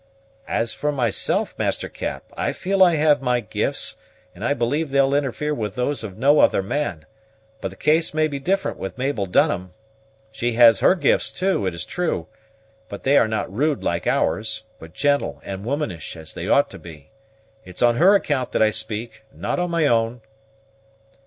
"As for myself, Master Cap, I feel I have my gifts, and I believe they'll interfere with those of no other man; but the case may be different with Mabel Dunham. She has her gifts, too, it is true; but they are not rude like ours, but gentle and womanish, as they ought to be. It's on her account that I speak, and not on my own."